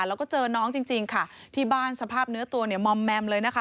แล้วก็เจอน้องจริงค่ะที่บ้านสภาพเนื้อตัวเนี่ยมอมแมมเลยนะคะ